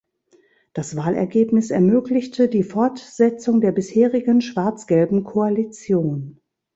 Das Wahlergebnis ermöglichte die Fortsetzung der bisherigen schwarz-gelben Koalition.